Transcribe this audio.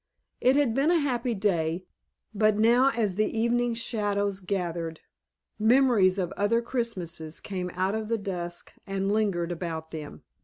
It had been a happy day, but now as the evening shadows gathered memories of other Christmases came out of the dusk and lingered about them.